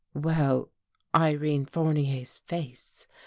. Well, Irene Fournier's face.